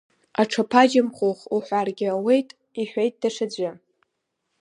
Аҽаԥа-Џьамхәыхә уҳәаргьы ауеит, — иҳәеит даҽаӡәы.